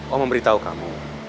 om memberitahu kamu